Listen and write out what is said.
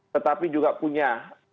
tetapi juga punya